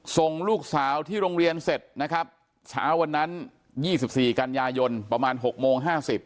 ส่งลูกสาวที่โรงเรียนเสร็จนะครับเช้าวันนั้น๒๔กันยายนประมาณ๖โมง๕๐